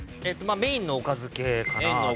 メインのおかず系。